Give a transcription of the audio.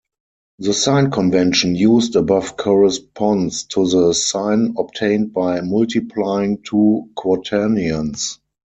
The sign convention used above corresponds to the signs obtained by multiplying two quaternions.